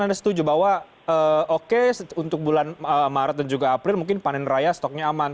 anda setuju bahwa oke untuk bulan maret dan juga april mungkin panen raya stoknya aman